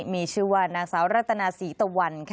มีชื่อว่านางสาวรัตนาศรีตะวัน